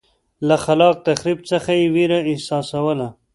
له خلاق تخریب څخه یې وېره احساسوله.